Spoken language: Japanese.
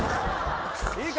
いいか？